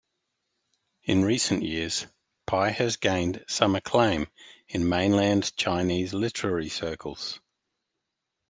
In recent years, Pai has gained some acclaim in Mainland Chinese literary circles.